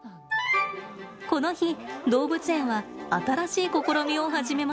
この日、動物園は新しい試みを始めました。